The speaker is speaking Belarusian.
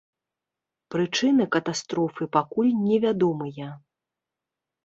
Прычыны катастрофы пакуль невядомыя.